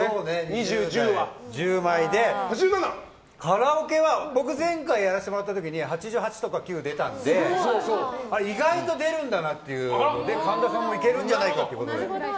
２０代、１０枚でカラオケは僕前回やらせてもらった時に８８とか８９が出たんで意外と出るんだなっていうので神田さんもいけるんじゃないかと。